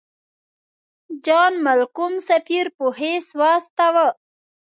جان مالکم سفیر په حیث واستاوه.